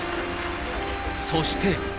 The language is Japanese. そして。